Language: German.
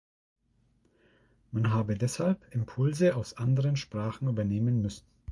Man habe deshalb Impulse aus anderen Sprachen übernehmen müssen.